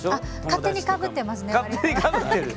勝手にかぶってます。